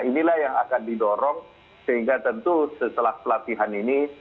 inilah yang akan didorong sehingga tentu setelah pelatihan ini